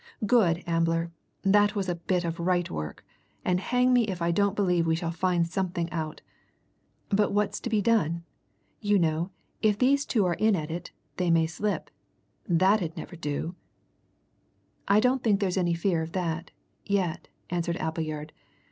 "Good, Ambler! That was a bit of right work, and hang me if I don't believe we shall find something out. But what's to be done? You know, if these two are in at it, they may slip. That 'ud never do!" "I don't think there's any fear of that yet," answered Appleyard.